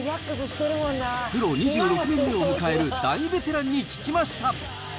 プロ２６年目を迎える大ベテランに聞きました。